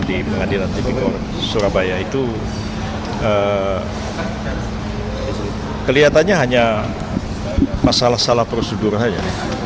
di pengadilan tipikor surabaya itu kelihatannya hanya masalah salah prosedur saja